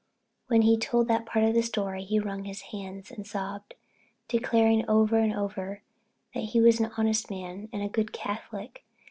When he told that part of his story he wrung his hands and sobbed, declaring over and over that he was an honest man and a good Catholic.